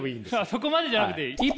そこまでじゃなくていい？